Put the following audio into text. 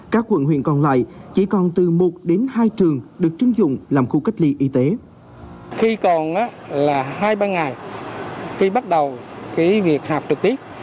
các quận huyện còn lại chỉ còn từ một đến hai trường được chứng dụng làm khu cách ly y tế